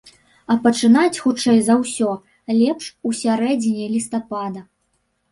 А пачынаць, хутчэй за ўсё, лепш у сярэдзіне лістапада.